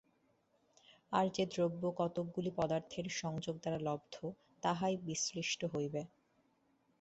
আর যে দ্রব্য কতকগুলি পদার্থের সংযোগ দ্বারা লব্ধ, তাহাই বিশ্লিষ্ট হইবে।